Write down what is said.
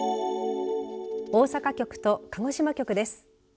大阪局と鹿児島局です。